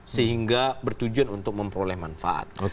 sehingga bertujuan untuk memperoleh manfaat